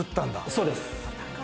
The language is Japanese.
そうです。